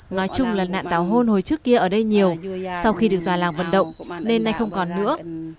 nói chung là nạn tảo hôn hồi trước kia ở đây nhiều sau khi được già làng vận động nên nay không còn nữa